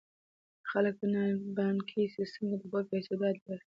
خلک په بانکي سیستم کې د خپلو پیسو ډاډ لري.